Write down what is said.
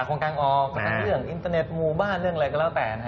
ก็ตั้งแต่เรื่องอินเทอร์เน็ตหมู่บ้านเรื่องอะไรก็แล้วแต่